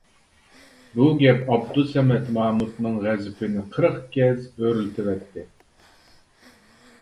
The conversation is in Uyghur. بۇ گەپ ئابدۇسەمەت مامۇتنىڭ غەزىپىنى قىرىق گەز ئۆرلىتىۋەتتى.